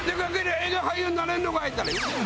映画俳優になれるのかい！」って言ったら。